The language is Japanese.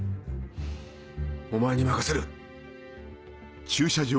お前に任せる。